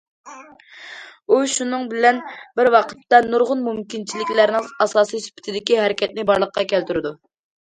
ئۇ شۇنىڭ بىلەن بىر ۋاقىتتا نۇرغۇن مۇمكىنچىلىكلەرنىڭ ئاساسى سۈپىتىدىكى ھەرىكەتنى بارلىققا كەلتۈرىدۇ.